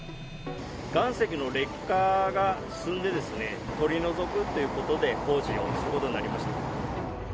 岩石の劣化が進んで、取り除くということで工事をすることになりました。